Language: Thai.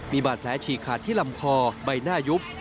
มีบาดแผลฉีกขาดที่ลำคอใบหน้ายุบ